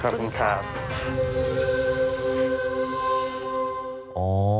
ขอบคุณค่ะ